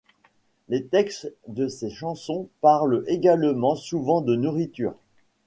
Les textes de ses chansons parlent également souvent de nourriture.